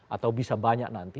atau bisa banyak nanti